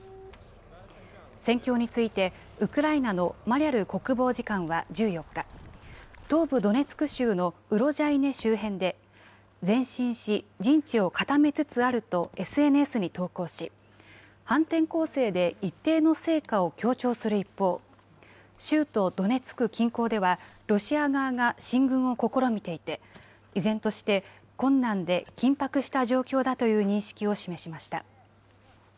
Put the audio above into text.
戦況についてウクライナのマリャル国防次官は１４日、東部ドネツク州のウロジャイネ周辺で前進し陣地を固めつつあるとＳＮＳに投稿し反転攻勢で一定の成果を強調する一方、州都ドネツク近郊ではロシア側が進軍を試みていて依然として困難で緊迫した状況だという認識を示しました。